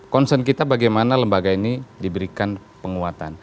concern kita bagaimana lembaga ini diberikan penguatan